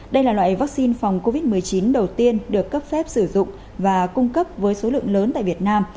đây là loại vaccine phòng covid một mươi chín đầu tiên được cấp phép sử dụng và cung cấp với số lượng lớn tại việt nam